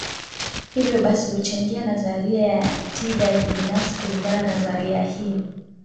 hivyo basi huchangia nadharia ya tibayakibinafsi Kulingana na nadharia hii